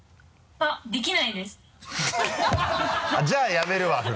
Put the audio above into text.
じゃあやめるわ！